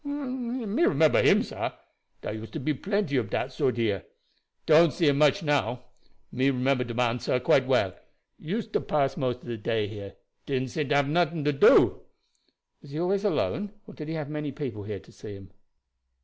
"Me remember him, sah. Dar used to be plenty ob dat sort here. Don't see dem much now. Me remember de man, sah, quite well. Used to pass most of de day here. Didn't seem to have nuffin to do." "Was he always alone, or did he have many people here to see him?"